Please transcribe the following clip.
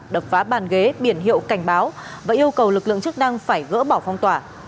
đập phá bàn ghế biển hiệu cảnh báo và yêu cầu lực lượng chức năng phải gỡ bỏ phong tỏa